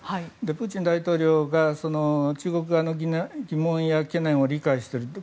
プーチン大統領が中国側の疑問や懸念を理解していると。